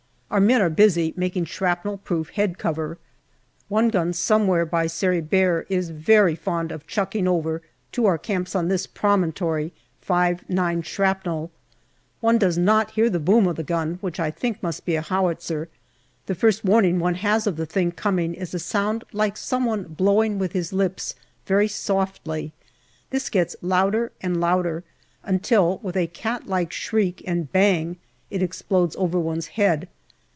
Our men are busy making shrapnel proof head cover. One gun some where by Sari Bair is very fond of chucking over, to our camps on this promontory, 5*9 shrapnel. One does not hear the boom of the gun, which I think must be a howitzer. The first warning one has of the thing coming is a sound like some one blowing with his lips very softly. This gets louder and louder, until with a cat like shriek and bang it explodes over one's head.